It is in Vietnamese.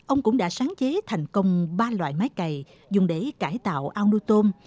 ông cũng đã sáng chế thành công ba loại máy cày dùng để cải tạo ao nuôi tôm